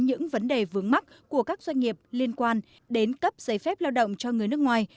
những vấn đề vướng mắt của các doanh nghiệp liên quan đến cấp giấy phép lao động cho người nước ngoài